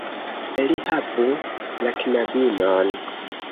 Li havu la knabinon."